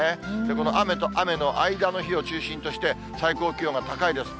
この雨と雨の間の日を中心として、最高気温が高いです。